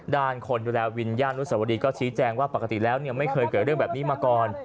ด่านคนอยู่แล้ววิญญาณุสวดีก็ชี้แจงว่าปกติแล้วเนี่ยไม่เคยเกิดเรื่องแบบนี้มาก่อน